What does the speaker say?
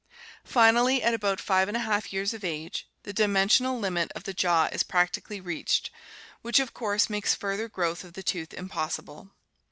Finally, at about five and a half years of age, the dimensional limit of the jaw is practically reached, which of course makes further growth of the tooth impossible.